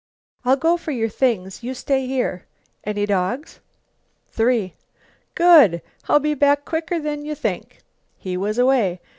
"I'll go for your things. You stay here. Any dogs?" "Three." "Good! I'll be back quicker than you think." He was away.